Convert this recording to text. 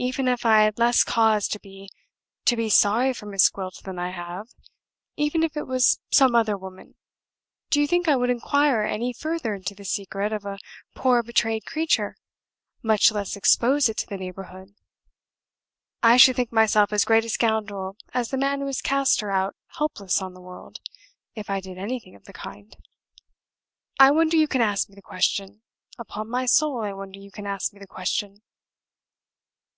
Even if I had less cause to be to be sorry for Miss Gwilt than I have; even if it was some other woman, do you think I would inquire any further into the secret of a poor betrayed creature much less expose it to the neighborhood? I should think myself as great a scoundrel as the man who has cast her out helpless on the world, if I did anything of the kind. I wonder you can ask me the question upon my soul, I wonder you can ask me the question!"